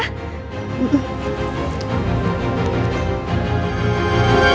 kalau enggak contoh juga bru